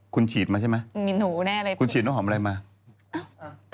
คุณฉีดมาใช่ไหมคุณฉีดน้ำหอมอะไรมาอา